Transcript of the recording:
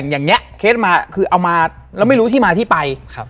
อย่างนี้เคสมาคือเอามาแล้วไม่รู้ที่มาที่ไป